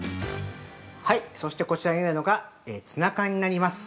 ◆はい、こちらに入れるのがツナ缶になります。